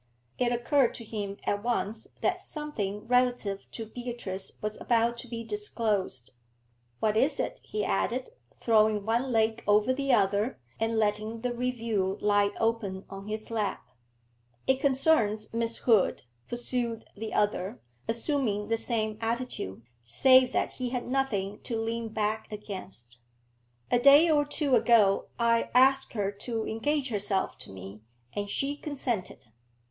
It occurred to him at once that something relative to Beatrice was about to be disclosed. 'What is it?' he added, throwing one leg over the other, and letting the review lie open on his lap. 'It concerns Miss Hood,' pursued the other, assuming the same attitude, save that he had nothing to lean hack against. 'A day or two ago I asked her to engage herself to me, and she consented.'